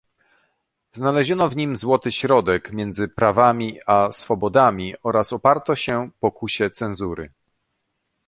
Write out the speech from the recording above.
znaleziono w nim złoty środek między prawami a swobodami oraz oparto się pokusie cenzury